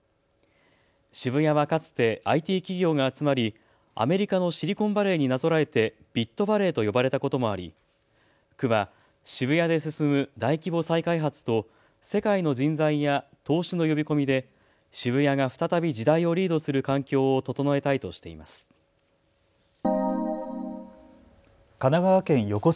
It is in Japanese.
渋谷はかつてＩＴ企業が集まりアメリカのシリコンバレーになぞらえてビットバレーと呼ばれたこともあり区は渋谷で進む大規模再開発と世界の人材や投資の呼び込みで渋谷が再び時代をリードする環境を整えたいとしています。